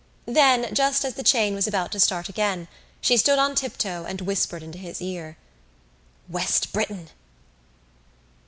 Then, just as the chain was about to start again, she stood on tiptoe and whispered into his ear: "West Briton!"